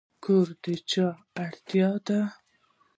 کور د چا اړتیا ده؟